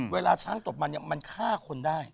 เวลาช้างตกมันเนี่ยมันฆ่าคนได้